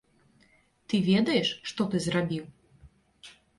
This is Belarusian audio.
Ты ведаеш, што ты зрабіў?